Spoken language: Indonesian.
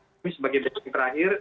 kami sebagai petugas yang terakhir